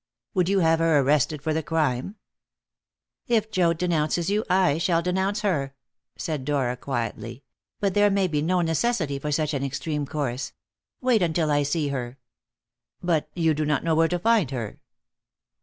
"Would you have her arrested for the crime?" "If Joad denounces you, I shall denounce her," said Dora quietly; "but there may be no necessity for such an extreme course. Wait until I see her." "But you do not know where to find her."